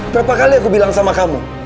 berapa kali aku bilang sama kamu